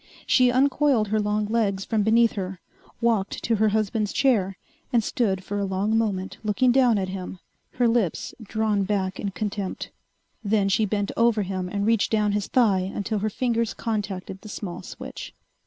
She uncoiled her long legs from beneath her, walked to her husband's chair, and stood for a long moment looking down at him, her lips drawn back in contempt. Then she bent over him and reached down his thigh until her fingers contacted the small switch.